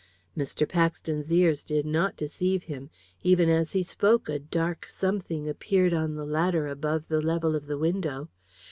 Mr. Paxton's ears did not deceive him. Even as he spoke a dark something appeared on the ladder above the level of the window.